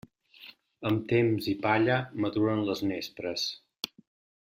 Amb temps i palla maduren les nespres.